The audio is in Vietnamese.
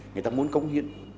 người ta muốn công hiến